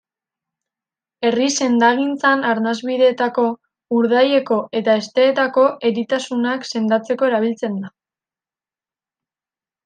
Herri sendagintzan arnas-bideetako, urdaileko eta hesteetako eritasunak sendatzeko erabiltzen da.